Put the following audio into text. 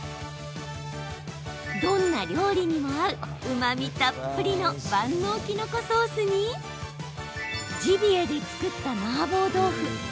どんな料理にも合ううまみたっぷりの万能きのこソースにジビエで作ったマーボー豆腐。